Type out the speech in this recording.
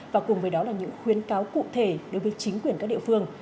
và cùng với đó là những khuyến cáo cụ thể đối với chính quyền các địa phương